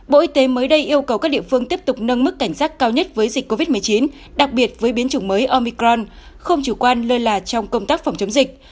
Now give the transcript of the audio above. bộ y tế mới đây yêu cầu các địa phương tiếp tục nâng mức cảnh giác cao nhất với dịch covid một mươi chín đặc biệt với biến chủng mới omicron không chủ quan lơ là trong công tác phòng chống dịch